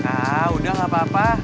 ah udah gak apa apa